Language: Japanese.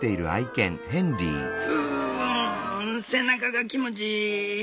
「うん背中が気持ちいい。